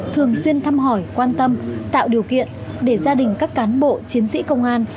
thường xuyên thăm hỏi quan tâm tạo điều kiện để gia đình các cán bộ chiến sĩ công an